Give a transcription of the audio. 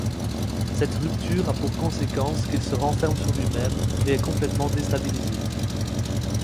Cette rupture a pour conséquence qu'il se renferme sur lui-même et est complètement déstabilisé.